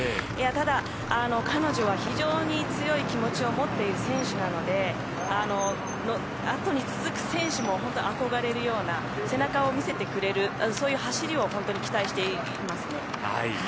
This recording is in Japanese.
ただ、彼女は非常に強い気持ちを持っている選手なのであとに続く選手も憧れるような背中を見せてくれるそういう走りを期待していますね。